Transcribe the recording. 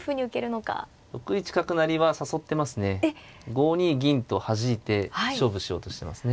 ５二銀とはじいて勝負しようとしてますね。